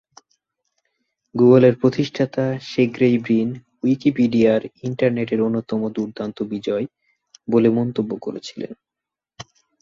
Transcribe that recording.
গুগলের প্রতিষ্ঠাতা Sergey Brin "উইকিপিডিয়ার ইন্টারনেটের অন্যতম দুর্দান্ত বিজয়" বলে মন্তব্য করেছিলেন।